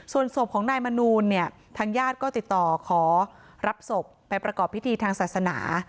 ส่วนศพของนายมนูลเนี่ยทางญาติก็ติดต่อขอรับศพไปประกอบพิธีทางศาสนา